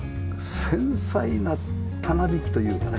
繊細なたなびきというかね。